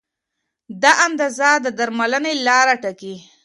دا اندازه د درملنې لار ټاکي.